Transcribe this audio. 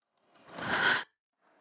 aduh lama empat lagi liftnya